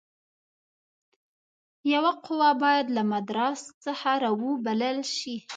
یوه قوه باید له مدراس څخه را وبلل شي.